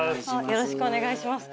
よろしくお願いします。